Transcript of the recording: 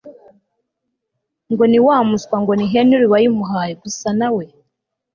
ngo ni wa muswa ngo ni henry wayimuhaye gusa nawe